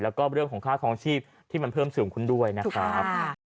แล้วก็เรื่องของค่าคลองชีพที่มันเพิ่มสูงขึ้นด้วยนะครับ